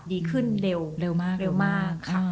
ดีขึ้นเร็วมากเร็วมาก